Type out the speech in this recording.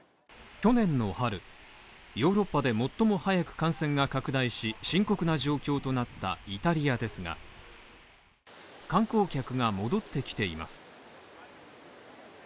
去年の春、ヨーロッパで最も早く感染が拡大し、深刻な状況となったイタリアですが、観光客が戻ってきています。